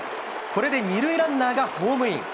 これで２塁ランナーがホームイン。